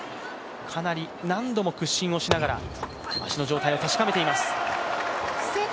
かなり何度も屈伸をしながら足の状態を確かめています。